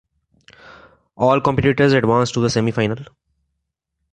All Competitors advanced to the semi-final.